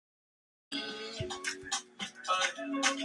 Black Emperor o Mogwai.